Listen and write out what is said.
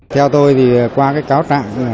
theo tôi thì qua cái cáo trạng